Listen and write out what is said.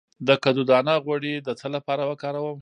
د کدو دانه غوړي د څه لپاره وکاروم؟